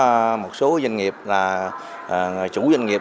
thì có một số doanh nghiệp là chủ doanh nghiệp